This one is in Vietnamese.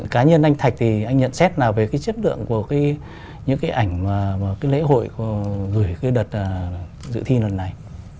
cá nhân anh thạch thì anh nhận xét nào về chất lượng của những lễ hội gửi đợt dự thi lần này